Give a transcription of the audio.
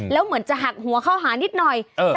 แล้วเหมือนจะหักหัวเข้าหานิดหน่อย